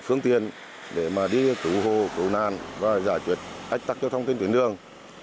phương tiện để mà đi cứu hồ cứu nàn và giải truyệt ách tắc giao thông trên tuyến đường